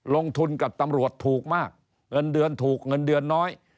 ลงทุนกับตำรวจถูกมากเงินเดือนถูกเงินเดือนน้อย